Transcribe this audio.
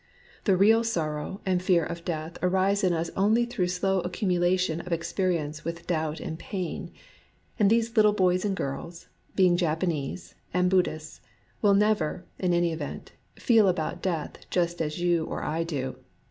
The real sorrow and fear of death arise in us only through slow accumulation of expe rience with doubt and pain; and these little boys and girls, being Japanese and Buddhists, will never, in any event, feel about death just as you or I do.